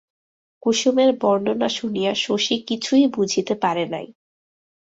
কুসমের বর্ণনা শুনিয়া শশী কিছুই বুঝিতে পারে নাই।